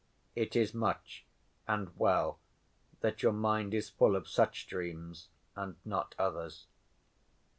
"It is much, and well that your mind is full of such dreams and not others.